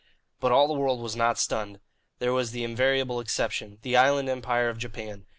But all the world was not stunned. There was the invariable exception the Island Empire of Japan.